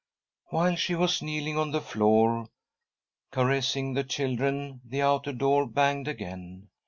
While she was kneeling on the floor, caressing the children, the outer door banged again.